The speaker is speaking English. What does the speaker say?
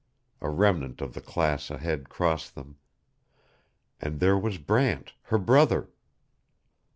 A remnant of the class ahead crossed them and there was Brant, her brother.